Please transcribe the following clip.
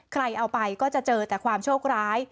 ใครเอาไปก็จะเจอแต่ความโชคร้าย